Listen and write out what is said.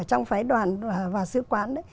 trong phái đoàn và sứ quán